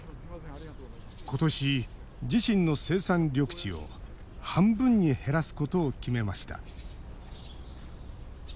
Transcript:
ことし、自身の生産緑地を半分に減らすことを決めました。